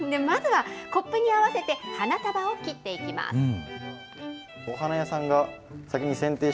まずはコップに合わせて花束を切っていきます。